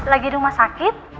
lagi rumah sakit